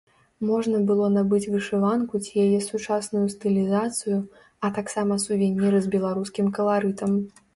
Можна было набыць вышыванку ці яе сучасную стылізацыю, а таксама сувеніры з беларускім каларытам.